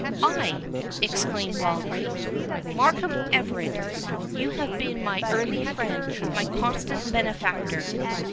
"I!" exclaimed Wildrake. "Markham Everard, you have been my early friend, my constant benefactor.